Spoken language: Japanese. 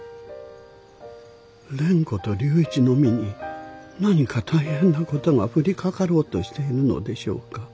蓮子と龍一の身に何か大変な事が降りかかろうとしているのでしょうか。